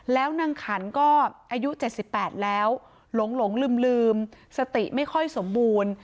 แล้วนางขันก็อายุเจ็ดสิบแปดแล้วหลงหลงลืมลืมสติไม่ค่อยสมบูรณ์